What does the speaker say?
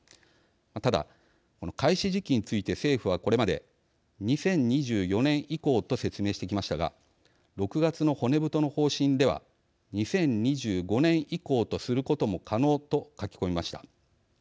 ただ、この開始時期について政府は、これまで２０２４年以降と説明してきましたが６月の骨太の方針では２０２５年以降とすることも可能と書き込みました。